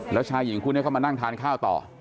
แล้วชายหญิงคู่นี้เข้ามานั่งทานข้าวต่อ